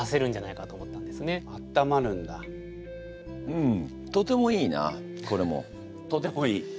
うんとてもいいなこれも。とてもいい？